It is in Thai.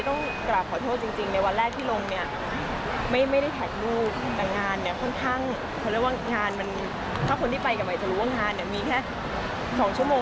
แต่งานเนี่ยค่อนข้างคนที่ไปกับมันจะรู้ว่างานมีแค่๒ชั่วโมง